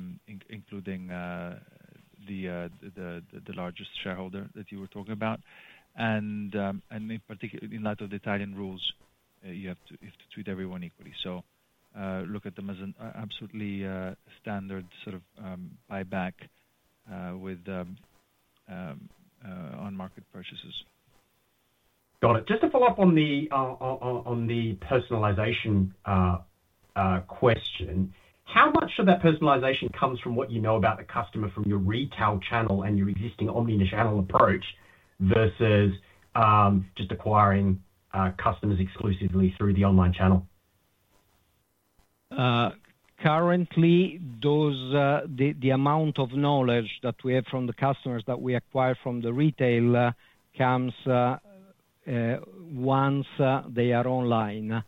largest shareholder that you were talking about. In particular, in light of the Italian rules, you have to treat everyone equally. Look at them as an absolutely standard sort of buyback with on-market purchases. Got it. Just to follow up on the personalization question, how much of that personalization comes from what you know about the customer from your retail channel and your existing omnichannel approach versus just acquiring customers exclusively through the online channel? Currently, the amount of knowledge that we have from the customers that we acquire from the retail comes once they are online.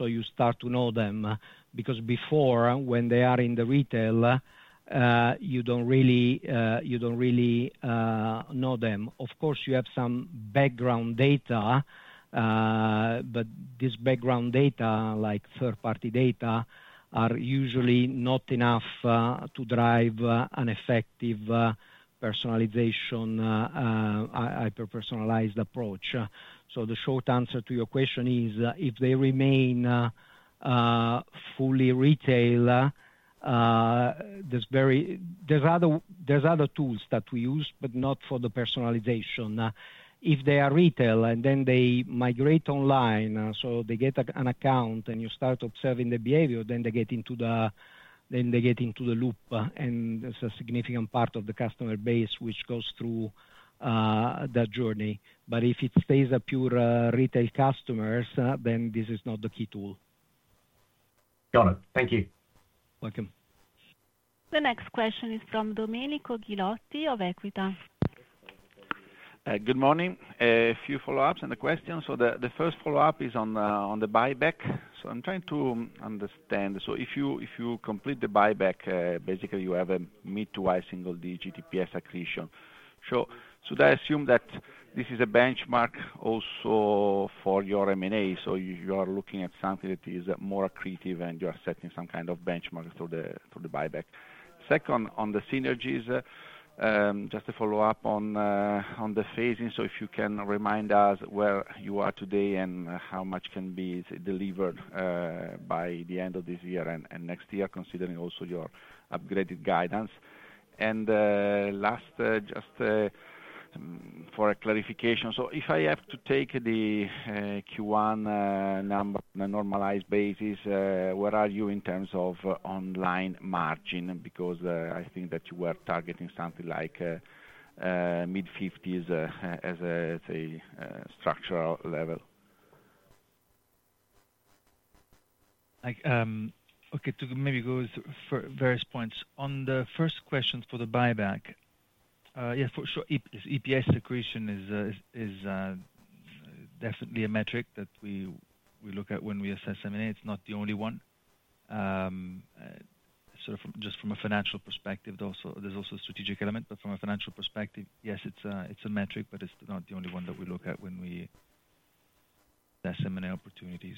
You start to know them. Because before, when they are in the retail, you do not really know them. Of course, you have some background data, but this background data, like third-party data, are usually not enough to drive an effective personalization, hyper-personalized approach. The short answer to your question is if they remain fully retail, there are other tools that we use, but not for the personalization. If they are retail and then they migrate online, they get an account and you start observing the behavior, then they get into the loop. There is a significant part of the customer base which goes through that journey. If it stays a pure retail customer, then this is not the key tool. Got it. Thank you. Welcome. The next question is from Domenico Ghilotti of Equita. Good morning. A few follow-ups and the questions. The first follow-up is on the buyback. I'm trying to understand. If you complete the buyback, basically, you have a mid-to-high single-digit GGR accretion. Should I assume that this is a benchmark also for your M&A? You are looking at something that is more accretive and you are setting some kind of benchmark through the buyback. Second, on the synergies, just to follow up on the phasing. If you can remind us where you are today and how much can be delivered by the end of this year and next year, considering also your upgraded guidance. Last, just for clarification. If I have to take the Q1 number on a normalized basis, where are you in terms of online margin? Because I think that you were targeting something like mid-50s as a structural level. Okay. To maybe go to various points. On the first question for the buyback, yes, for sure, EPS accretion is definitely a metric that we look at when we assess M&A. It's not the only one. Just from a financial perspective, there's also a strategic element. From a financial perspective, yes, it's a metric, but it's not the only one that we look at when we assess M&A opportunities.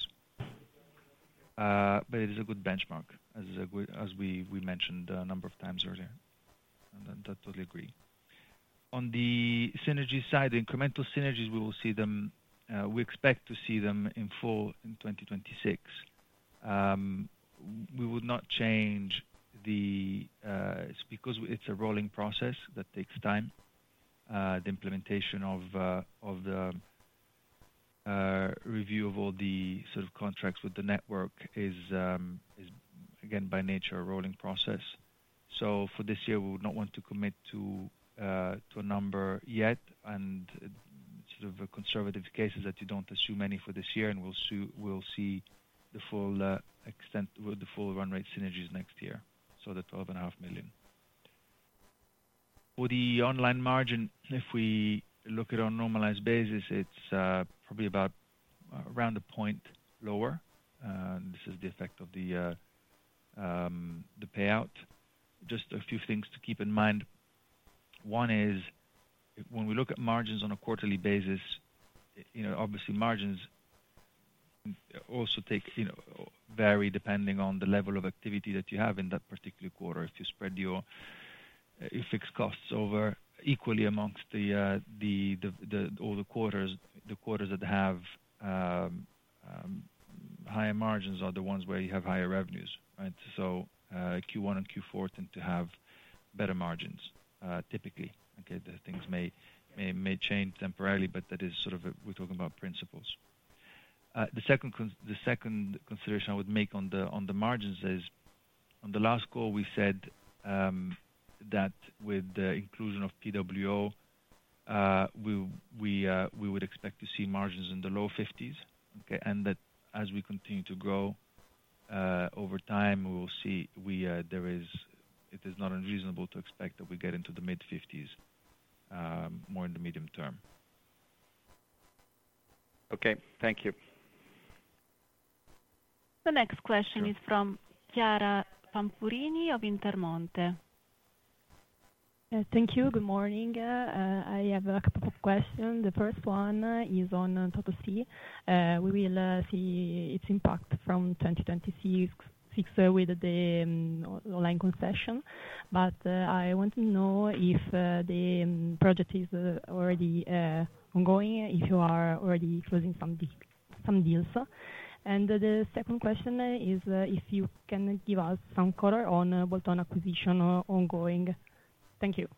It is a good benchmark, as we mentioned a number of times earlier. I totally agree. On the synergy side, the incremental synergies, we will see them, we expect to see them in full in 2026. We would not change that because it's a rolling process that takes time. The implementation of the review of all the contracts with the network is, again, by nature, a rolling process. For this year, we would not want to commit to a number yet. The conservative case is that you do not assume any for this year, and we will see the full run rate synergies next year. The 12.5 million. For the online margin, if we look at our normalized basis, it is probably about around a point lower. This is the effect of the payout. Just a few things to keep in mind. One is when we look at margins on a quarterly basis, obviously, margins also vary depending on the level of activity that you have in that particular quarter. If you spread your fixed costs equally amongst all the quarters, the quarters that have higher margins are the ones where you have higher revenues. Q1 and Q4 tend to have better margins, typically. Things may change temporarily, but that is sort of we're talking about principles. The second consideration I would make on the margins is on the last call, we said that with the inclusion of PWO, we would expect to see margins in the low 50%. And that as we continue to grow over time, we will see it is not unreasonable to expect that we get into the mid-50% more in the medium term. Okay. Thank you. The next question is from Chiara Pampurini of Intermonte. Thank you. Good morning. I have a couple of questions. The first one is on Totosi. We will see its impact from 2026 with the online concession. I want to know if the project is already ongoing, if you are already closing some deals. The second question is if you can give us some color on Bolton acquisition ongoing. Thank you.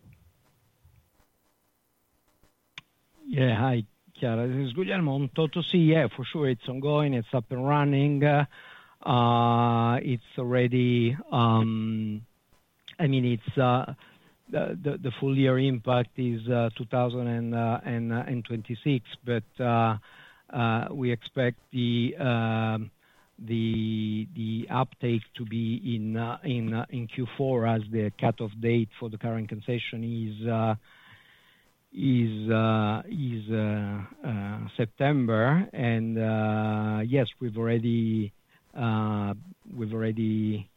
Yeah. Hi, Chiara. This is Guglielmo. Totosi, yeah, for sure, it's ongoing. It's up and running. I mean, the full year impact is 2026, but we expect the uptake to be in Q4 as the cut-off date for the current concession is September. Yes, we've already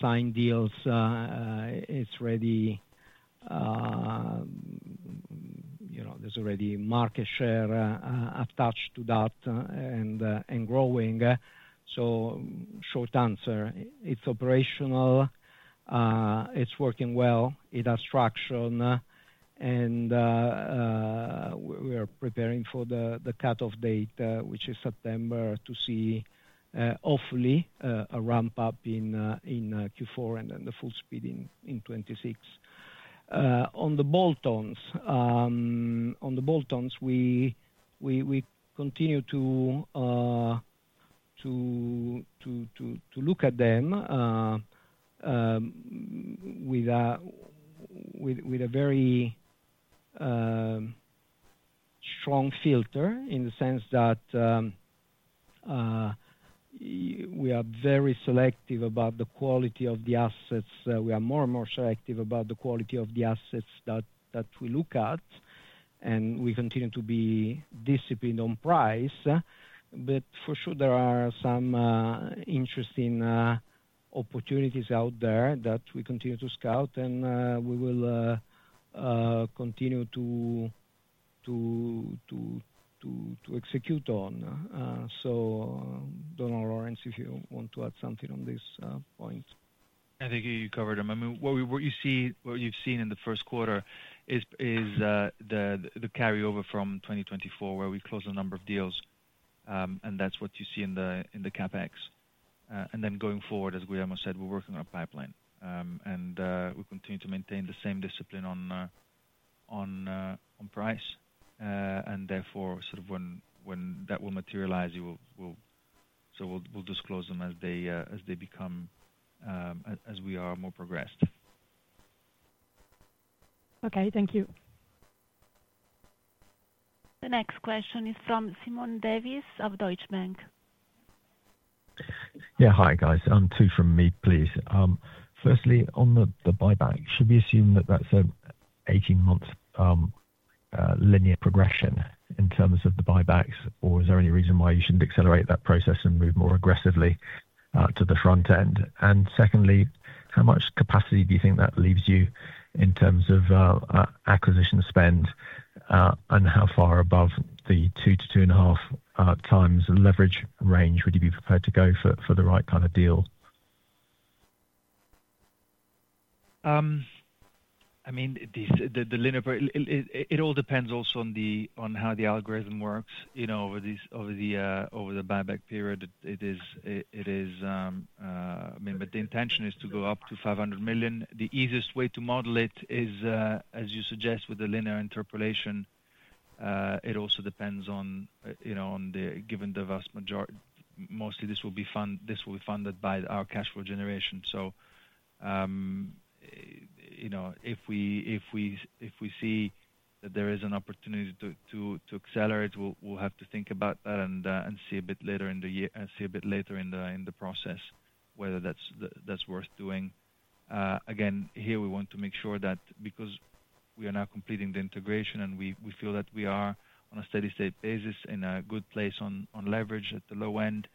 signed deals. It's ready, there's already market share attached to that and growing. Short answer, it's operational. It's working well. It has structure. We are preparing for the cut-off date, which is September, to see, hopefully, a ramp-up in Q4 and then the full speed in 2026. On the bolt-ons, we continue to look at them with a very strong filter in the sense that we are very selective about the quality of the assets. We are more and more selective about the quality of the assets that we look at. We continue to be disciplined on price. For sure, there are some interesting opportunities out there that we continue to scout, and we will continue to execute on. Laurence, if you want to add something on this point. I think you covered them. I mean, what you have seen in the first quarter is the carryover from 2024, where we closed a number of deals. That is what you see in the CapEx. Going forward, as Guglielmo said, we are working on a pipeline. We continue to maintain the same discipline on price. Therefore, when that will materialize, we will disclose them as we are more progressed. Okay. Thank you. The next question is from Simon Davies of Deutsche Bank. Yeah. Hi, guys. Two from me, please. Firstly, on the buyback, should we assume that that's an 18-month linear progression in terms of the buybacks, or is there any reason why you shouldn't accelerate that process and move more aggressively to the front end? Secondly, how much capacity do you think that leaves you in terms of acquisition spend, and how far above the 2-2.5 times leverage range would you be prepared to go for the right kind of deal? I mean, it all depends also on how the algorithm works. Over the buyback period, it is, I mean, but the intention is to go up to 500 million. The easiest way to model it is, as you suggest, with the linear interpolation. It also depends on, given the vast majority, mostly, this will be funded by our cash flow generation. If we see that there is an opportunity to accelerate, we'll have to think about that and see a bit later in the year and see a bit later in the process whether that's worth doing. Again, here, we want to make sure that because we are now completing the integration and we feel that we are on a steady-state basis and a good place on leverage at the low end,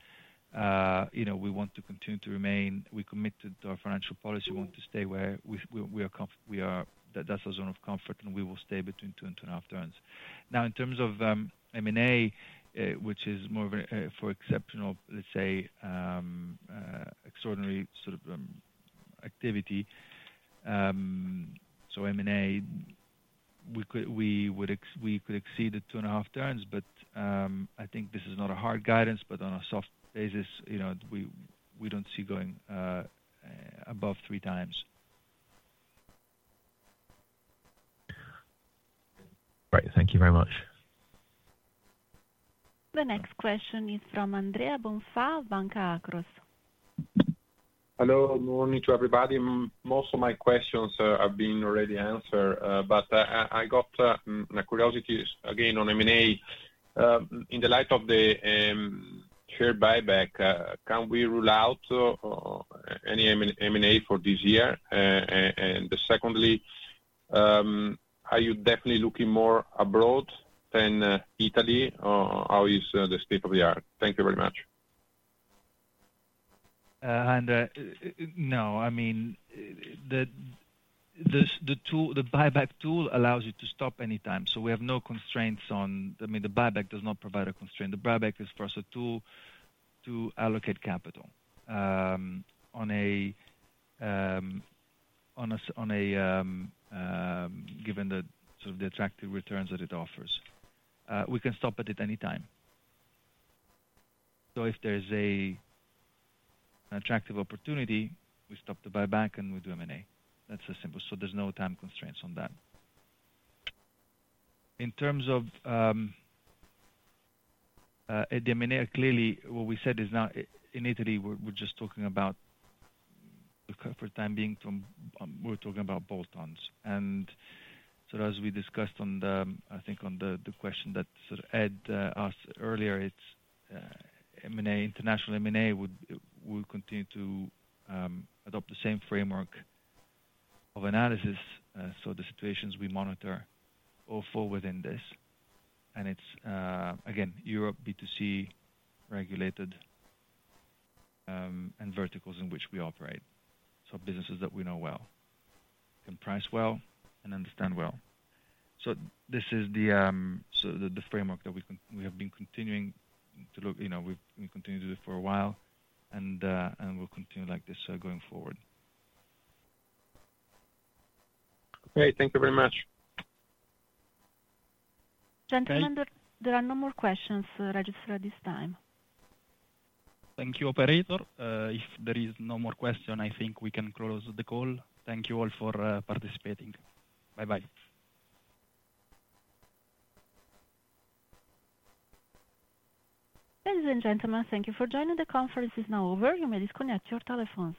we want to continue to remain, we commit to our financial policy. We want to stay where that's our zone of comfort, and we will stay between two and two and a half turns. Now, in terms of M&A, which is more for exceptional, let's say, extraordinary sort of activity, so M&A, we could exceed the two and a half turns. I think this is not a hard guidance, but on a soft basis, we do not see going above three times. Right. Thank you very much. The next question is from Andrea Bonfa, Banca Akros. Hello. Good morning to everybody. Most of my questions have been already answered. I got a curiosity, again, on M&A. In the light of the share buyback, can we rule out any M&A for this year? Secondly, are you definitely looking more abroad than Italy? How is the state of the art? Thank you very much. No, I mean, the buyback tool allows you to stop anytime. We have no constraints on, I mean, the buyback does not provide a constraint. The buyback is for us a tool to allocate capital on a given sort of the attractive returns that it offers. We can stop it anytime. If there is an attractive opportunity, we stop the buyback and we do M&A. That is as simple. There are no time constraints on that. In terms of the M&A, clearly, what we said is now in Italy, we are just talking about, for the time being, we are talking about bolt-ons. As we discussed on the, I think, on the question that Ed asked earlier, international M&A will continue to adopt the same framework of analysis. The situations we monitor are all four within this. It is, again, Europe, B2C, regulated, and verticals in which we operate. Businesses that we know well can price well and understand well. This is the framework that we have been continuing to look, we continue to do for a while, and we will continue like this going forward. Okay. Thank you very much. Gentlemen, there are no more questions registered at this time. Thank you, operator. If there is no more question, I think we can close the call. Thank you all for participating. Bye-bye. Ladies and gentlemen, thank you for joining the conference. It is now over. You may disconnect your telephones.